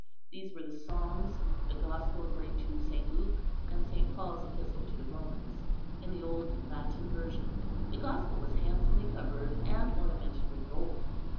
These were the Psalms, the Gospel according to St. Luke, and St. Paul's Epistle to the Romans, in the old Latin version. The Gospel was handsomely covered, and ornamented with gold.